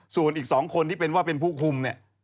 ส่วนอีก๒คนที่เป็นว่าเป็นผู้คุมเนี่ย